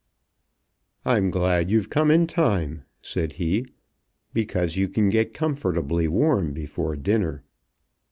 "I'm glad you've come in time," said he, "because you can get comfortably warm before dinner."